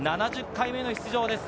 ７０回目の出場。